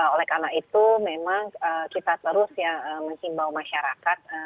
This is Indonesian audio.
oleh karena itu memang kita terus ya menghimbau masyarakat